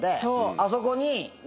あそこに。